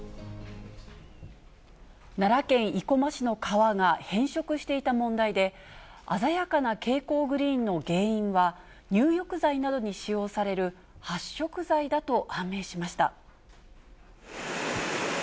奈良県生駒市の川が変色していた問題で、鮮やかな蛍光グリーンの原因は、入浴剤などに使用される発色剤だと判明しました。